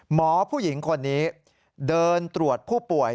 หมอผู้หญิงคนนี้เดินตรวจผู้ป่วย